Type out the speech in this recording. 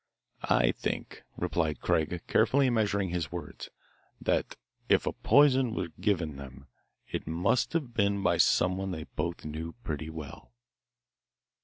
"I think," replied Craig, carefully measuring his words, "that if poison was given them it must have been by someone they both knew pretty well."